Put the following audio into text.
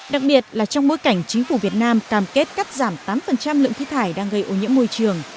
đặc biệt là trong bối cảnh chính phủ việt nam cam kết cắt giảm tám lượng thí thải đang gây ô nhiễm môi trường